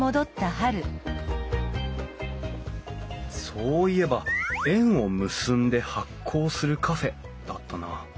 そういえば「縁を結んで発酵するカフェ」だったな。